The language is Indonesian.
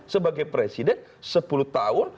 sebagai presiden sepuluh tahun